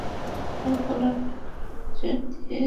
আর গালটা লেকচার দিয়ে দিয়ে মোটা হয়ে গেছে।